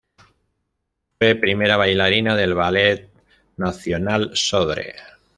Fue primera bailarina del Ballet Nacional Sodre.